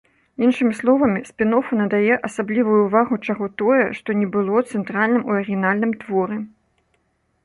Іншымі словамі, спін-оф надае асаблівую ўвагу чаго-тое, што не было цэнтральным у арыгінальным творы.